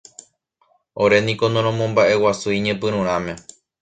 Oréniko noromomba'eguasúi ñepyrũrãme.